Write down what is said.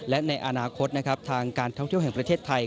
และในอนาคตนะครับทางการท่องเที่ยวแห่งประเทศไทย